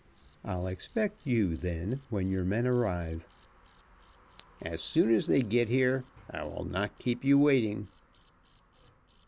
I'll expect you, then, when your men arrive." "As soon as they get here; I will not keep you waiting."